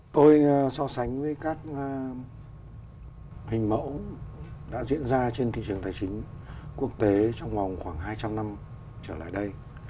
tôi so sánh với các hình mẫu đã diễn ra trên thị trường tài chính quốc tế trong vòng khoảng hai trăm linh năm trở lại đây